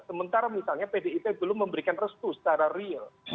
sementara misalnya pdip belum memberikan restu secara real